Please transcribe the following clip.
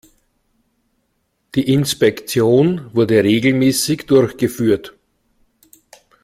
Die Inspektion wurde regelmäßig durchgeführt.